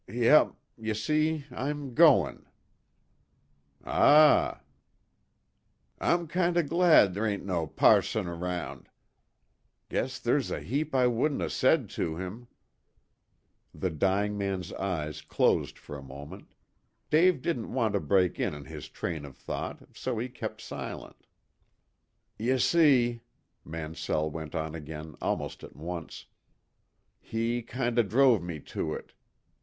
"Yep y' see I'm goin'." "Ah." "I'm kind o' glad ther' ain't no passon around. Guess ther's a heap I wouldn't 'a' said to him." The dying man's eyes closed for a moment. Dave didn't want to break in on his train of thought, so he kept silent. "Y' see," Mansell went on again almost at once, "he kind o' drove me to it.